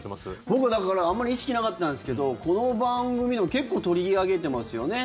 僕は、だからあまり意識はなかったんですけどこの番組でも結構取り上げてますよね。